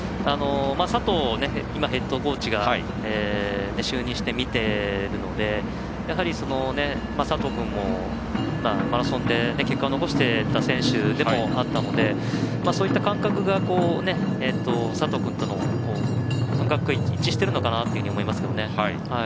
佐藤ヘッドコーチが就任して見ているので佐藤君もマラソンで結果を残していた選手でもあったのでそういった感覚が、佐藤君との感覚が一致してるのかなと思いますけどね。